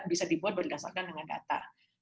bisa dibuat berdasarkan dengan data